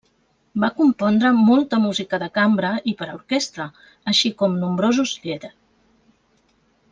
Va compondre molta música de cambra i per a orquestra, així com nombrosos lieder.